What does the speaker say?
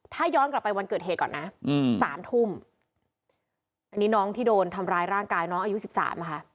ถ้าย้อนกลับไปวันเกิดเหตุก่อนนะ๓ทุ่มนี่น้องที่โดนทำร้ายร่างกายน้องอายุ๑๓นะคะ